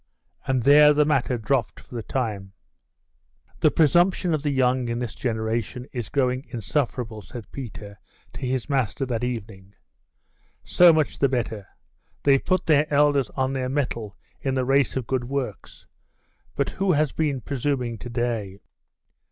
And there the matter dropped for the time. ............... 'The presumption of the young in this generation is growing insufferable,' said Peter to his master that evening. 'So much the better. They put their elders on their mettle in the race of good works. But who has been presuming to day?